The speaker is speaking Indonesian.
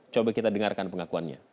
coba kita dengarkan pengakuannya